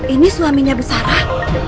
ini suaminya bu sarah